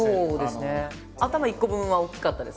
頭１個分は大きかったです。